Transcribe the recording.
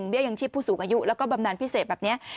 ยังชีพผู้สูงอายุแล้วก็บำนานพิเศษแบบนี้